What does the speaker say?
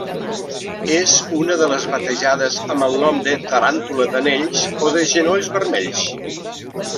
És una de les batejades amb el nom de taràntula d'anells o de genolls vermells.